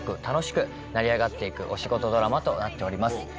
楽しく成り上がって行くお仕事ドラマとなっております。